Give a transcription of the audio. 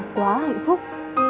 quá hạnh phúc